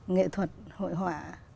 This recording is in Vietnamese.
nghệ thuật hội họa